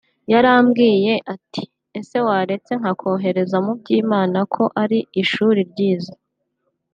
yarambwiye ati ese waretse nkakoherereza mu Byimana ko ari ishuli ryiza